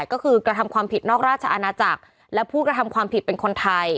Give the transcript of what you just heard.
ก็คือกระทำความผิดนอกราชอาณาจักรและผู้กระทำความผิดเป็นคนไทย